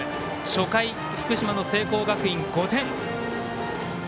初回、福島の聖光学院、５点。